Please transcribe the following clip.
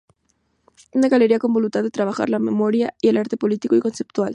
Una galería con voluntad de trabajar la memoria y el arte político y conceptual.